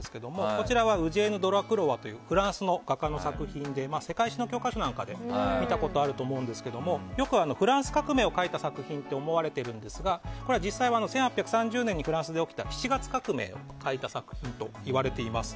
こちらはウジェーヌ・ドラクロワというフランスの画家の作品で世界史の教科書とかで見たことあると思うんですがよくフランス革命を描いた作品と思われていますがこれは実際はフランスで起きた７月革命を描いた作品といわれています。